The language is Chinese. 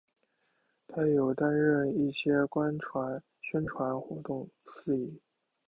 她亦有担任一些宣传活动司仪。